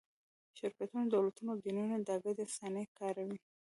شرکتونه، دولتونه او دینونه دا ګډې افسانې کاروي.